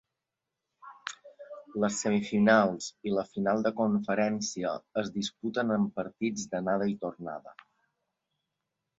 Les semifinals i la final de conferència es disputen amb partits d'anada i tornada.